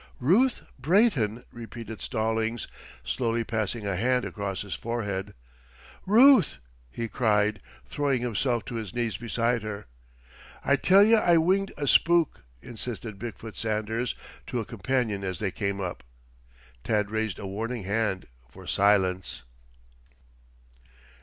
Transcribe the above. "Ruth Brayton," repeated Stallings, slowly passing a hand across his forehead. "Ruth!" he cried, throwing himself to his knees beside her. "I tell ye I winged a spook," insisted Big foot Sanders to a companion as they came up. Tad raised a warning hand for silence.